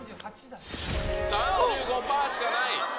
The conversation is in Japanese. ３５パーしかない。